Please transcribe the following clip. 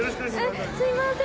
すいません。